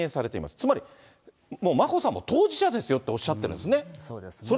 つまりもう眞子さんも当事者ですよとおっしゃってるんですね。